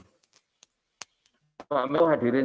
bapak menko hadirin